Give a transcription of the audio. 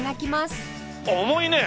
重いね！